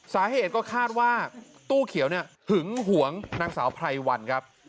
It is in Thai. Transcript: สาเหตุก็คาดว่าตู้เขียวเนี่ยหึงหวงนางสาวไพรวันครับ